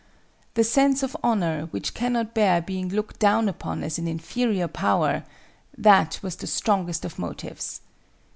The sense of honor which cannot bear being looked down upon as an inferior power,—that was the strongest of motives.